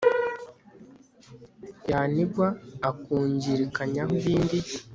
Yanigwa akungirikanyaho ibindi